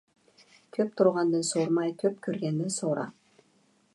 كۆپ تۇرغاندىن سورىماي، كۆپ كۆرگەندىن سورا.